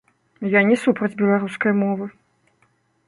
Я не супраць беларускай мовы.